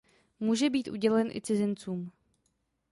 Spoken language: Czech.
Může být udělen i cizincům.